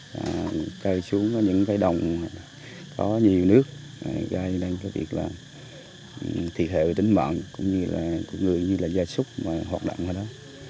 rồi cây xuống những cái đồng có nhiều nước gây nên có việc là thiệt hệ tính mạng cũng như là của người như là gia súc mà hoạt động ở đó